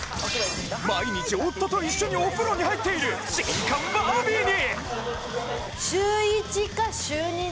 毎日夫と一緒にお風呂に入っている新婚バービーに！